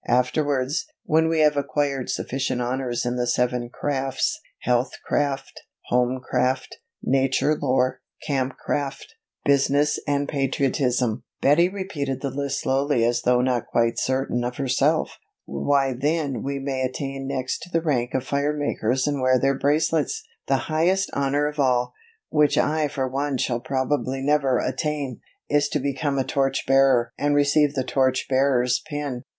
Afterwards, when we have acquired sufficient honors in the seven crafts, 'Health Craft, Home Craft, Nature Lore, Camp Craft, Business and Patriotism'," (Betty repeated the list slowly as though not quite certain of herself), "why then we may attain next to the rank of Fire Makers and wear their bracelets. The highest honor of all, which I for one shall probably never attain, is to become a Torch Bearer and receive the Torch Bearer's pin.